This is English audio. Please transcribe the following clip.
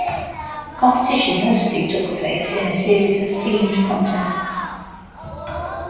Competition mostly took place in a series of themed contests.